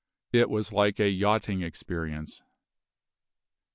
It was like a yachting experience.